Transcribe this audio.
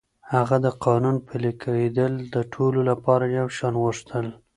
هغه د قانون پلي کېدل د ټولو لپاره يو شان غوښتل.